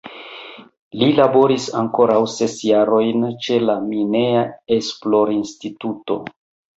Li laboris ankoraŭ ses jarojn ĉe la Mineja Esplorinstituto.